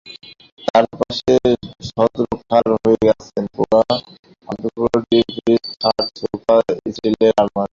চারপাশে ছত্রখান হয়ে আছে পোড়া আধপোড়া টিভি, ফ্রিজ, খাট, সোফা, স্টিলের আলমারি।